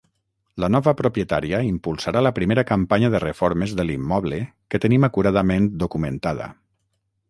La nova propietària impulsarà la primera campanya de reformes de l'immoble que tenim acuradament documentada.